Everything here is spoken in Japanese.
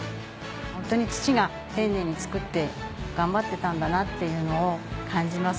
ホントに父が丁寧に作って頑張ってたんだなっていうのを感じます